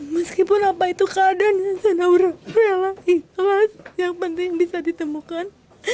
meskipun apa itu keadaan sandaur rela ikhlas yang penting bisa ditemukan